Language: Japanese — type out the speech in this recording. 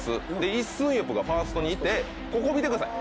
イ・スンヨプがファーストにいてここ見てください。